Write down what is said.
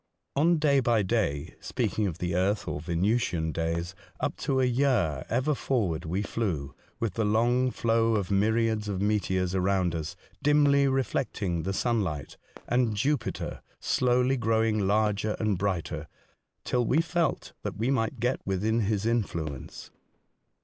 On day by day (speaking of the earth or Yenu sian days), up to a year, ever forward we flew, with the long flow of myriads of meteors around us dimly reflecting the sun light, and Jupiter slowly growing larger and brighter, till we tfelt hat we might get within his influence.